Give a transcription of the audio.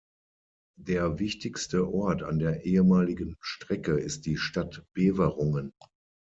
Der wichtigste Ort an der ehemaligen Strecke ist die Stadt Beverungen.